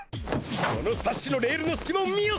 このサッシのレールのすきまを見よ！